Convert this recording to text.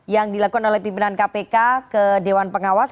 yang dilakukan oleh pimpinan kpk ke dewan pengawas